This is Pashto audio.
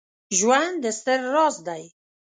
ژوند ستر راز دی